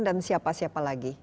dan siapa siapa lagi